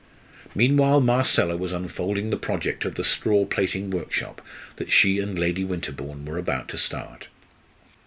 Meanwhile Marcella was unfolding the project of the straw plaiting workshop that she and Lady Winterbourne were about to start.